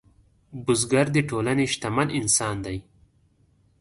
بزګر د ټولنې شتمن انسان دی